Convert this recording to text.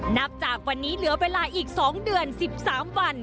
นับจากวันนี้เหลือเวลาอีก๒เดือน๑๓วัน